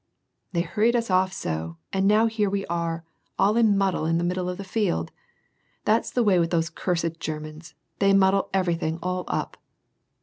They hurried us off so, and now here we are, all in muddle in the middle of the field ; that's the way with those cursed Grerman's ; they muddle everything all up